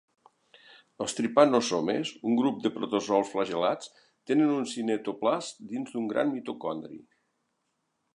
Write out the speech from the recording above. Els tripanosomes, un grup de protozous flagel·lats tenen un cinetoplast dins d'un gran mitocondri.